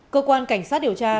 cơ quan cảnh sát điều tra